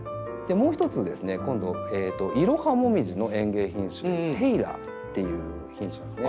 もう一つですね今度イロハモミジの園芸品種の「テイラー」っていう品種ですね。